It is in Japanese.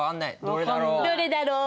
どれだろう？